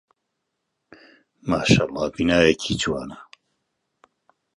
ماشەڵڵا بینایەکی جوانە.